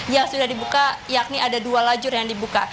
yang sudah dibuka yakni ada dua lajur yang dibuka